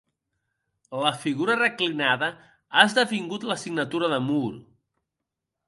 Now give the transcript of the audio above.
La figura reclinada ha esdevingut la signatura de Moore.